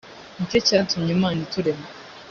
ni cyo cyatumye imana iturema